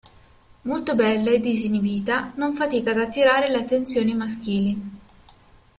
Molto bella e disinibita, non fatica ad attirare le attenzioni maschili.